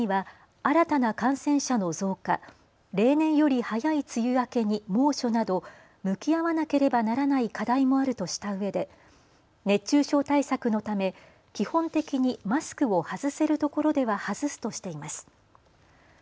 具体的には新たな感染者の増加、例年より早い梅雨明けに猛暑など向き合わなければならない課題もあるとしたうえで、熱中症対策のため基本的にマスクを外せるところでは外すとしています。